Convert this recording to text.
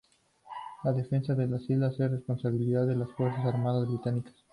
La defensa de las islas es responsabilidad de las Fuerzas Armadas Británicas.